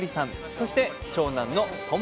そして長男の友樹さん。